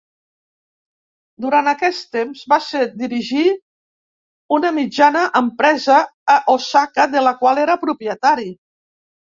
Durant aquest temps va ser dirigir una mitjana empresa a Osaka de la qual era propietari.